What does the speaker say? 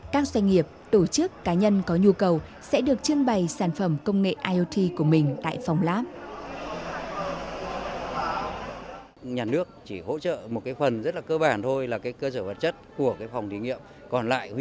các doanh nghiệp tổ chức cá nhân có nhu cầu sẽ được trưng bày sản phẩm công nghệ iot của mình tại phòng lab